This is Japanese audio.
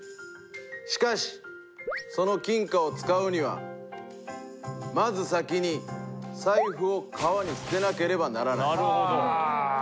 しかしその金貨を使うにはまず先に財布を川に捨てなければならない。